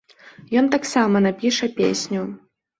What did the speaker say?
Ён таксама напіша песню.